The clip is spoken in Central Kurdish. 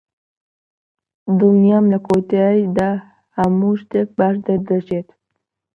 دڵنیام لە کۆتاییدا هەموو شتێک باش دەردەچێت.